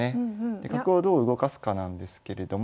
で角をどう動かすかなんですけれども。